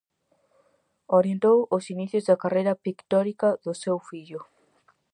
Orientou os inicios da carreira pictórica do seu fillo.